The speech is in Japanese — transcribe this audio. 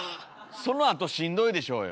そのあとしんどいでしょうよ。